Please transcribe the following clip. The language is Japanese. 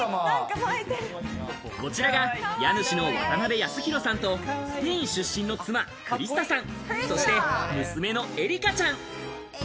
こちらが家主の渡辺泰寛さんとスペイン出身の妻・クリスタさんそして娘のエリカちゃん。